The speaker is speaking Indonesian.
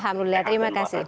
alhamdulillah terima kasih